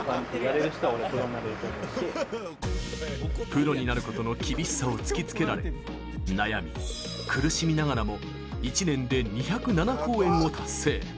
プロになることの厳しさを突きつけられ悩み、苦しみながらも１年で２０７公演を達成。